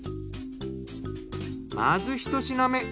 まず１品目。